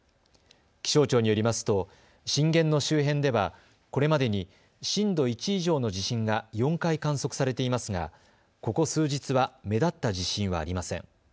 気象庁によりますと震源の周辺ではこれまでに震度１以上の地震が４回観測されていますがここ数日は目立った地震はありません。